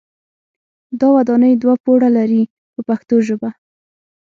دا ودانۍ دوه پوړه لري په پښتو ژبه.